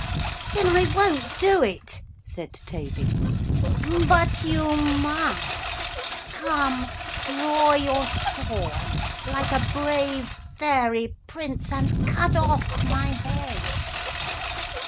'Then I won't do it,' said Tavy. 'But you must. Come, draw your sword, like a brave fairy Prince, and cut off my head.'